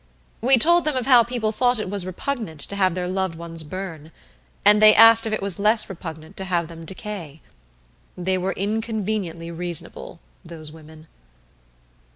We told them of how people thought it repugnant to have their loved ones burn, and they asked if it was less repugnant to have them decay. They were inconveniently reasonable, those women.